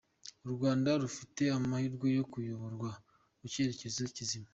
U Rwanda rufite amahirwe yo kuyoborwa mu cyerekezo kizima.